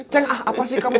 ceng ah apa sih kamu